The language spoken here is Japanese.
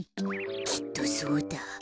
きっとそうだ。